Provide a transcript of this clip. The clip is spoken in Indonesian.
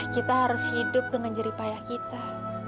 kita harus hidup dengan jeripaya kita